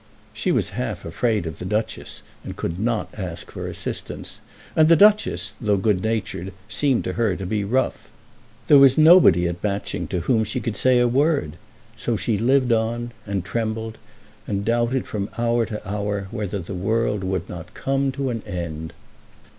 She was half afraid of the Duchess, and could not ask for assistance. And the Duchess, though good natured, seemed to her to be rough. There was nobody at Matching to whom she could say a word; so she lived on, and trembled, and doubted from hour to hour whether the world would not come to an end.